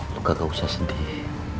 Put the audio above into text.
buka kau sesedih